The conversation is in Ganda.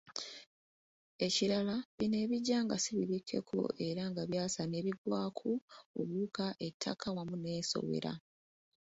Ekirala bino ebijja nga si bibikkeko, era nga byasamye, bigwako obuwuka, ettaka wamu n'ensowera.